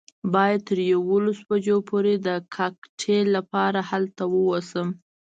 باید تر یوولسو بجو پورې د کاکټیل لپاره هلته ووسم.